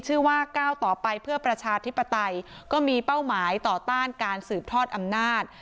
ก้าวต่อไปเพื่อประชาธิปไตยก็มีเป้าหมายต่อต้านการสืบทอดอำนาจ